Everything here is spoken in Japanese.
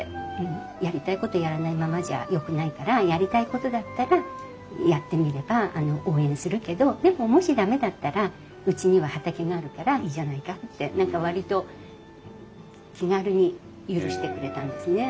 やりたいことやらないままじゃよくないからやりたいことだったらやってみれば応援するけどでももし駄目だったらうちには畑があるからいいじゃないかって何か割と気軽に許してくれたんですね。